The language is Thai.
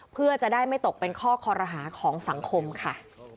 เพื่อจะได้ไม่ตกเป็นข้อคอรหาของสังคมค่ะ